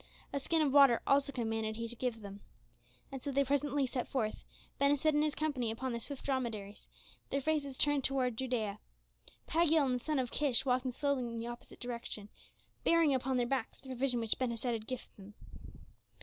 A skin of water also commanded he to give them. And so they presently set forth, Ben Hesed and his company upon their swift dromedaries, their faces turned toward Judæa; Pagiel and the son of Kish walking slowly in the opposite direction, bearing upon their backs the provision which Ben Hesed had given them.